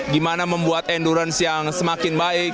gimana membuat endurance yang semakin baik